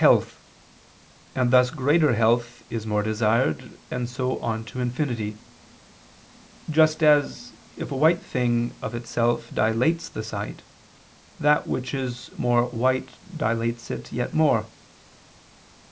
health: and thus greater health is more desired, and so on to infinity; just as, if a white thing of itself dilates the sight, that which is more white dilates yet more.